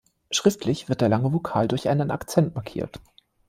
Schriftlich wird der lange Vokal durch einen Akzent markiert.